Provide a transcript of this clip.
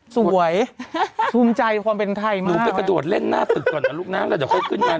สวยธรรมใจความเป็นใครมากหนูไปกระโดดเล่นหน้าสึกก่อนนะลูกน้ำ